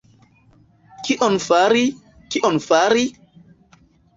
Kion fari, kion fari?